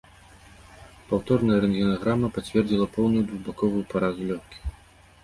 Паўторная рэнтгенаграма пацвердзіла поўную двухбаковую паразу лёгкіх.